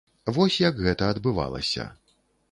Вось як гэта адбывалася.